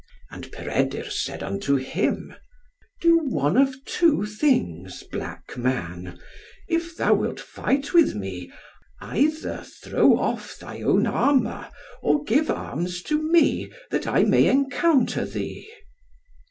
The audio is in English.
And Peredur said unto him, "Do one of two things, black man; if thou wilt fight with me, either throw off thy own armour, or give arms to me, that I may encounter thee."